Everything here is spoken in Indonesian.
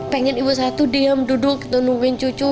pengen ibu saya tuh diam duduk dan nungguin cucu